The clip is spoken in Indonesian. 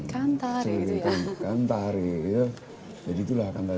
kantare gitu ya kantare jadi itulah kantare